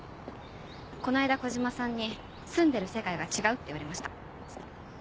この間小嶋さんに「住んでる世界が違う」って言われました。